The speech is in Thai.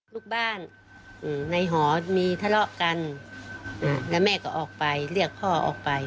ลูกบ้านในหอมีทะเลาะกันแล้วแม่ก็ออกไปเรียกพ่อออกไป